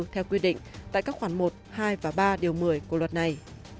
theo quy định tại các khoản một hai và ba điều một mươi của luật này